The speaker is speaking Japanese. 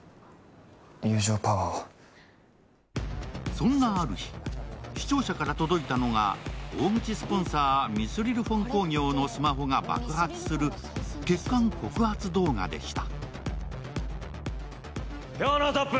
そんなある日、視聴者から届いたのが大口スポンサー、ミスリルフォン工業のスマホが爆発する欠陥告発動画でした。